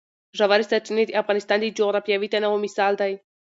ژورې سرچینې د افغانستان د جغرافیوي تنوع مثال دی.